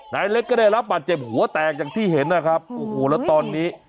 นายเล็กก็ได้รับบาดเจ็บหัวแตกอย่างที่เห็นนะครับโอ้โหแล้วตอนนี้